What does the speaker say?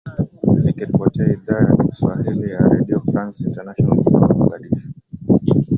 nikiripotia idhaa ya kiswahili ya redio france international kutoka mogadishu